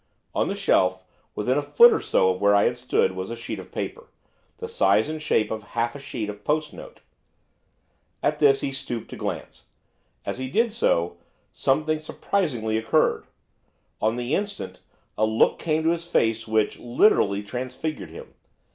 On the shelf, within a foot or so of where I stood, was a sheet of paper, the size and shape of half a sheet of post note. At this he stooped to glance. As he did so, something surprising occurred. On the instant a look came on to his face which, literally, transfigured him.